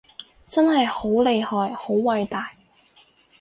真係好厲害好偉大